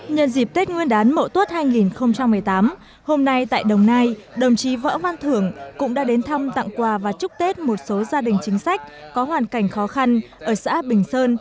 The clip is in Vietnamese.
nhân dịp tết nguyên đán mậu tuất hai nghìn một mươi tám hôm nay tại đồng nai đồng chí võ văn thưởng cũng đã đến thăm tặng quà và chúc tết một số gia đình chính sách có hoàn cảnh khó khăn ở xã bình sơn